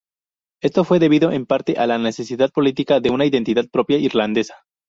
Esto fue debido, en parte, a la necesidad política de una identidad propia irlandesa.